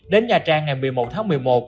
đến nha trang ngày một mươi một tháng một mươi một